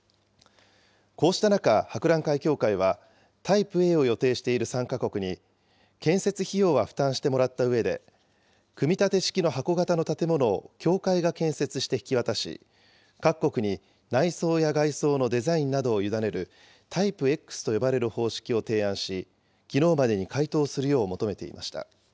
こうした中、博覧会協会はタイプＡを予定している参加国に、建設費用は負担してもらったうえで、組み立て式の箱形の建物を協会が建設して引き渡し、各国に内装や外装のデザインなどを委ねるタイプＸと呼ばれる方式を提案し、きのうまでに回答するよう求めていました。